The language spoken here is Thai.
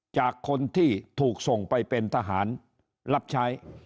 จากคนที่ถูกส่งไปเป็นทหารรับใช้